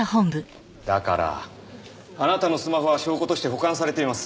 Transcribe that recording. だからあなたのスマホは証拠として保管されています。